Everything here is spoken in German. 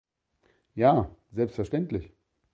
Ja, selbstverständlich.